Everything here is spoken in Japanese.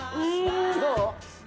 どう？